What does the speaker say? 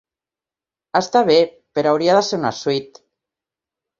Està bé, però haurà de ser una suite.